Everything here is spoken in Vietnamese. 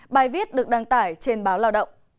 bài viết được đăng tải trên báo lao động